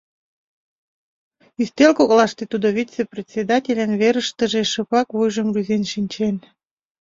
Ӱстел коклаште тудо вице-председательын верыштыже шыпак вуйжым рӱзен шинчен.